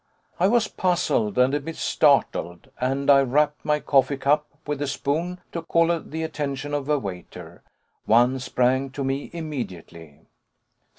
I was puzzled and a bit startled, and I rapped my coffee cup with the spoon to call the attention of a waiter. One sprang to me immediately.